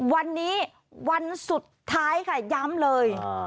วันนี้วันสุดท้ายค่ะย้ำเลย